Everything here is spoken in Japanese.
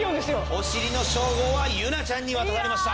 おしりの称号はゆなちゃんに渡されました。